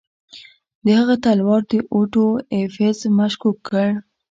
د هغه تلوار اوټو ایفز مشکوک کړ.